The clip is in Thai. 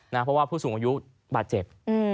เพราะว่าผู้สูงอายุบาดเจ็บ